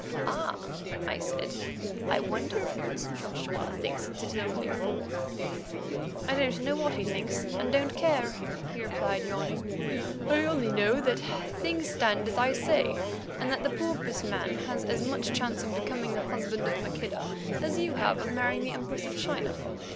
"Ah!" I said. "I wonder if Prince Joshua thinks it only a form?" "Don't know what he thinks, and don't care," he replied, yawning; "I only know that things stand as I say, and that the porpoise man has as much chance of becoming the husband of Maqueda as you have of marrying the Empress of China.